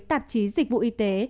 tạp chí dịch vụ y tế